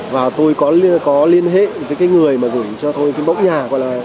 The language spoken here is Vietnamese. và tôi có liên hệ với cái người mà gửi cho tôi cái mốc nhà gọi là